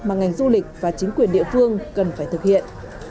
mà ngành du lịch và chính quyền địa phương cần phải thực hiện